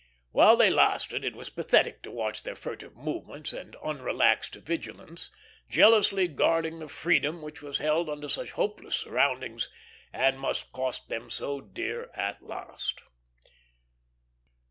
While they lasted it was pathetic to watch their furtive movements and unrelaxed vigilance, jealously guarding the freedom which was held under such hopeless surroundings and must cost them so dear at last.